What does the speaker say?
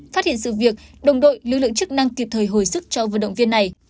phát hiện sự việc đồng đội lực lượng chức năng kịp thời hồi sức cho vận động viên này